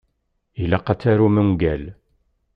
Ilaq ad tarum ungal.